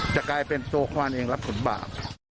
จะกลายเป็นตัวควานเองรับผลบาป